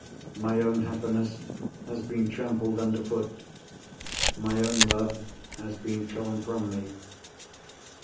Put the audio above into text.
My own happiness has been trampled under foot; my own love has been torn from me.